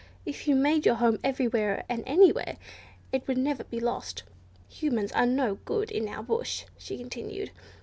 If you made your home everywhere and anywhere, it would never be lost. Humans are no good in our bush," she continued.